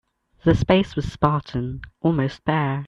The space was spartan, almost bare.